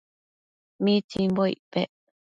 ¿mitsimbo icpec